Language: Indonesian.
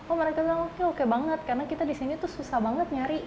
oh mereka bilang oke banget karena kita disini tuh susah banget nyari